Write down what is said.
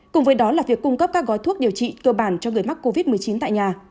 cùng với đó là việc cung cấp các gói thuốc điều trị cơ bản cho người mắc covid một mươi chín tại nhà